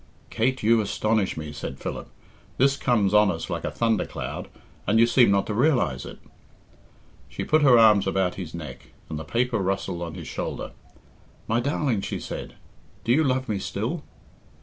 "Kate, you astonish me," said Philip. "This comes on us like a thundercloud, and you seem not to realise it." She put her arms about his neck, and the paper rustled on his shoulder. "My darling," she said, "do you love me still?"